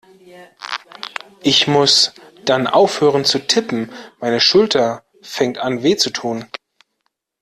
Ich muss dann aufhören zu tippen, meine Schulter fängt an weh zu tun.